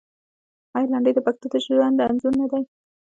آیا لنډۍ د پښتنو د ژوند انځور نه دی؟